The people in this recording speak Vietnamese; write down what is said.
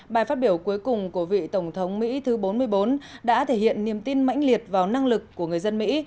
bài phát biểu cuối cùng của vị tổng thống mỹ thứ bốn mươi bốn đã thể hiện niềm tin mãnh liệt vào năng lực của người dân mỹ